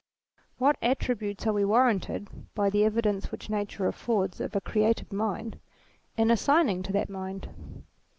What attributes are we warranted, by the evidence which Nature affords of a creative mind, in assigning to that mind